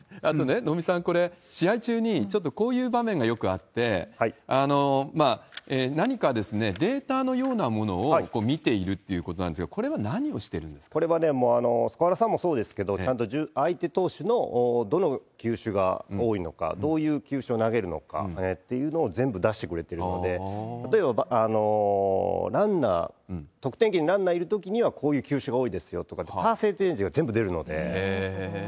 能見さん、これ、試合中にちょっとこういう場面がよくあって、何かデータのようなものを見ているっていうことなんですが、これはね、スコアラーさんもそうですけど、ちゃんと相手投手のどの球種が多いのか、どういう球種を投げるのかっていうのを全部出してくれてるので、例えばランナー、得点圏にランナーいるときには、こういう球種が多いですよとか、パーセンテージが全部出るので。